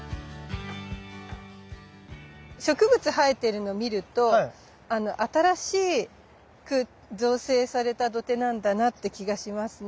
植物生えてるの見ると新しく造成された土手なんだなって気がしますね。